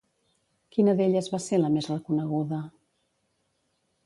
Quina d'elles va ser la més reconeguda?